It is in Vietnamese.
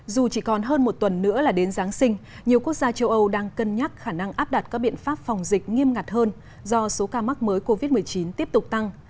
dù chỉ còn hơn một tuần nữa là đến giáng sinh nhiều quốc gia châu âu đang cân nhắc khả năng áp đặt các biện pháp phòng dịch nghiêm ngặt hơn do số ca mắc mới covid một mươi chín tiếp tục tăng